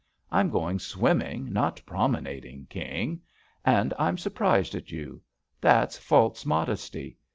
I'm going swimming, not promenading, King. And I'm surprised at you. That's false modesty.